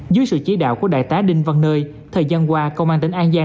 dưới sự chỉ đạo của đại tá đinh văn nơi thời gian qua công an tỉnh an giang